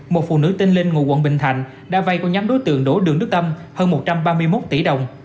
một phụ nữ tên linh ngụ quận bình thạnh đã vay của nhóm đối tượng đổ đường đức tâm hơn một trăm ba mươi một tỷ đồng